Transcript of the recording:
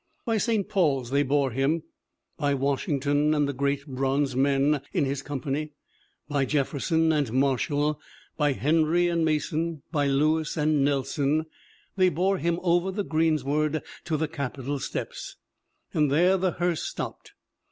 By St. Paul's they bore him, by Washington and the great bronze men in his com pany, by Jefferson and Marshall, by Henry and Ma son, by Lewis and Nelson. They bore him over the greensward to the Capitol steps, and there the hearse stopped.